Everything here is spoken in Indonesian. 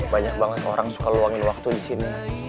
banyak banget orang suka luangin waktu disini